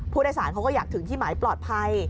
ผู้โดยสารเขาก็อยากถึงที่หมายปลอดภัย